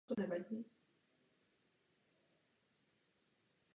Jména jednotlivých mučedníků se nedochovaly.